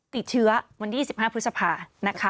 ติดเชื้อวันที่๒๕พฤษภานะคะ